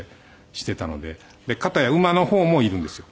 片や馬の方もいるんですよ。